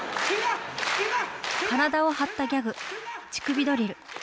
体を張ったギャグ、乳首ドリル。